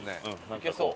いけそう。